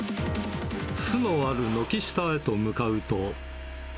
巣のある軒下へと向かうと。